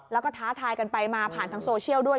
แล้วก็ท้าทายกันไปมาผ่านทางโซเชียลด้วย